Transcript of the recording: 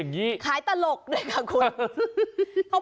นี่คือเทคนิคการขาย